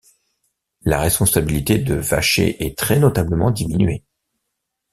La responsabilité de Vacher est très notablement diminuée.